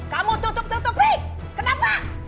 kamu tutup tutupi kenapa